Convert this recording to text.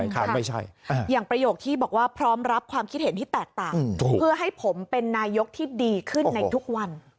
ไม่ใช่อย่างประโยคที่บอกว่าพร้อมรับความคิดเห็นที่แตกต่างเพื่อให้ผมเป็นนายกที่ดีขึ้นในทุกวัน